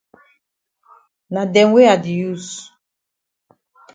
Na dem wey I di use.